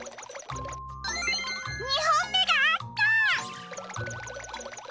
２ほんめがあった！